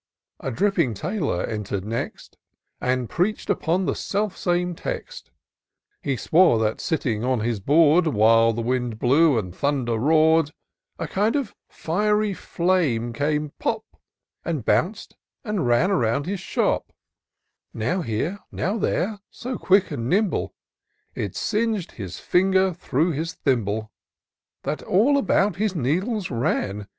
A dripping tailor enter'd next, And preach'd upon the self same text : He swore that, sitting on his board, While the wind blew, and thunder roar'd, A kind of fiery flame came pop, And bounc'd, and ran about his shop ; Now here, now there, so quick and nimble, It singed his finger through his thimble ; That all about his needles ran.